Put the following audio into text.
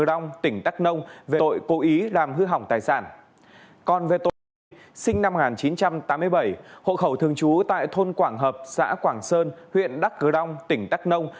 hội khẩu thường chú tại thôn quảng hợp xã quảng sơn huyện đắc cờ đông tỉnh đắc nông